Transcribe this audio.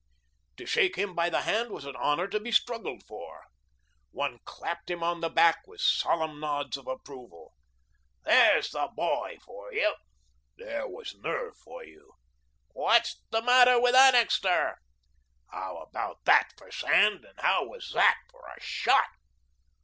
To shake him by the hand was an honour to be struggled for. One clapped him on the back with solemn nods of approval. "There's the BOY for you;" "There was nerve for you;" "What's the matter with Annixter?" "How about THAT for sand, and how was THAT for a SHOT?"